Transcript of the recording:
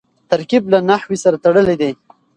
ترکیب له نحوي سره تړلی دئ.